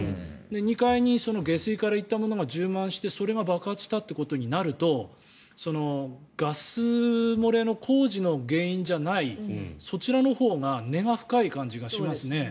２階に下水から行ったものが充満して、それが爆発したということになるとガス漏れの工事の原因じゃないそちらのほうが根が深い感じがしますね。